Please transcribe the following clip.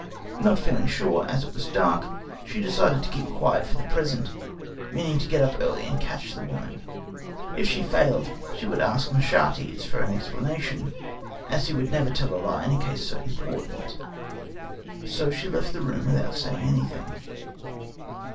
Not feeling sure, as it was dark, she decided to keep quiet for the present, meaning to get up early and catch the woman. If she failed, she would ask Machates for a full explanation, as he would never tell her a lie in a case so important. So she left the room without saying anything.